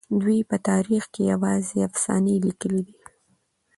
دوی په تاريخ کې يوازې افسانې ليکلي دي.